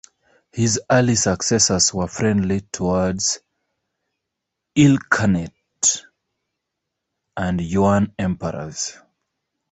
His early successors were friendly towards Ilkhanate and Yuan emperors.